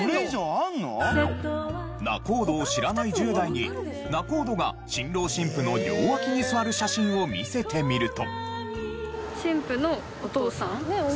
仲人を知らない１０代に仲人が新郎新婦の両脇に座る写真を見せてみると。